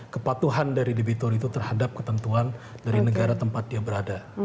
kepatuhan dari debitur itu terhadap ketentuan dari negara tempat dia berada